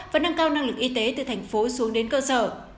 và nâng cao năng lực y tế từ thành phố xuống đến cơ sở